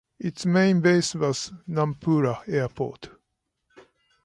Its main base was Nampula Airport.